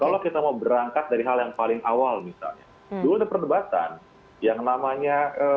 kalau kita mau berangkat dari hal yang paling awal misalnya dulu ada perdebatan yang namanya